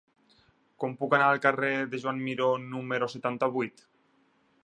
Com puc anar al carrer de Joan Miró número setanta-vuit?